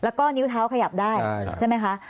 แล้วก็นิ้วเท้าขยับได้ใช่ไหมคะ